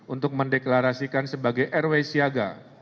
untuk mendeklarasikan sebagai rw siaga